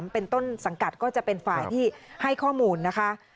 เป็นต้นสังกัดก็จะเป็นฝ่ายที่ให้ข้อมูลนะคะ